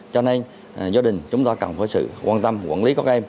cho nên gia đình chúng ta cần phải sự quan tâm quản lý của các em